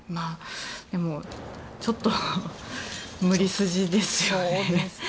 でも、ちょっと無理筋ですよね。